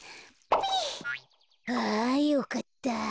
ぴっ！あよかった。